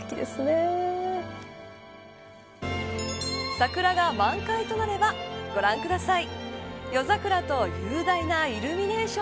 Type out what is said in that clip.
桜が満開となればご覧ください。